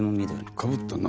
かぶったな。